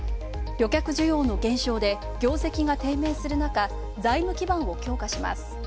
旅客需要の減少で業績が低迷する中、財務基盤を強化します。